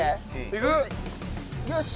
いく？よし！